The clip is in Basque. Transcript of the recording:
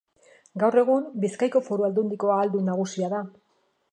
Gaur egun, Bizkaiko Foru Aldundiko ahaldun nagusia da.